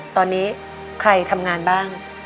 ตอนนี้ใครทำงานบ้าง